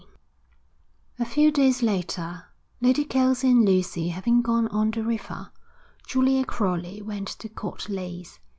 XIX A few days later, Lady Kelsey and Lucy having gone on the river, Julia Crowley went to Court Leys.